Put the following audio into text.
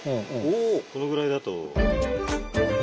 このぐらいだと。